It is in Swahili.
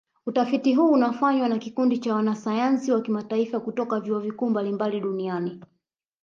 Utafiti huu unafanywa na kikundi cha wanasayansi wa kimataifa kutoka vyuo vikuu mbalimbali duniani